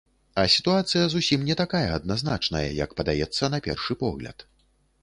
А сітуацыя зусім не такая адназначная, як падаецца на першы погляд.